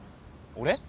俺！？